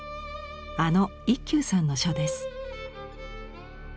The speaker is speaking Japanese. あの一休さんの書です。